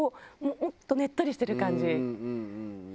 もっとねっとりしてる感じ。